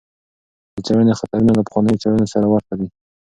د څېړنې خطرونه له پخوانیو څېړنو سره ورته دي.